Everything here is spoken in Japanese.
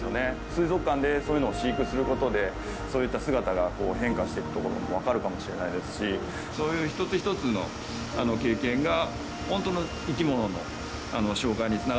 水族館でそういうのを飼育することでそういった姿が変化していくところも分かるかもしれないですしそういう一つ一つの経験が。